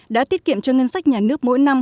đã tiết kiệm cho ngân sách nhà nước mỗi năm